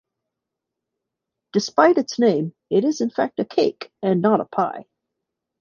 Despite its name, it is in fact a cake, and not a pie.